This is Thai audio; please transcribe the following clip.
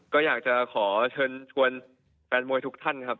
ก็อยากจะขอเชิญชวนแฟนมวยทุกท่านครับ